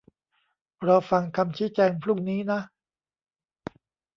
รอฟังคำชี้แจงพรุ่งนี้นะ